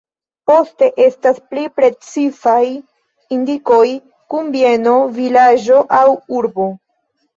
Poste estas pli precizaj indikoj kun bieno, vilaĝo aŭ urbo.